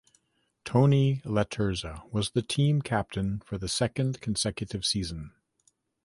Tony Laterza was the team captain for the second consecutive season.